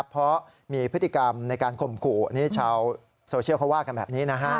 เพราะมีพฤติกรรมในการข่มขู่นี่ชาวโซเชียลเขาว่ากันแบบนี้นะฮะ